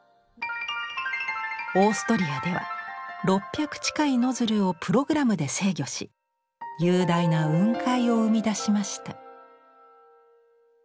オーストリアでは６００近いノズルをプログラムで制御し雄大な雲海を生み出しました。